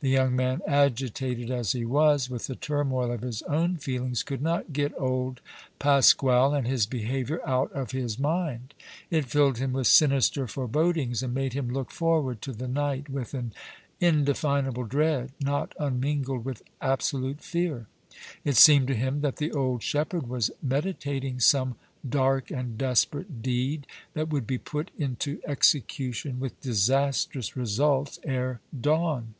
The young man, agitated as he was with the turmoil of his own feelings, could not get old Pasquale and his behavior out of his mind. It filled him with sinister forebodings and made him look forward to the night with an indefinable dread, not unmingled with absolute fear. It seemed to him that the old shepherd was meditating some dark and desperate deed that would be put into execution with disastrous results ere dawn.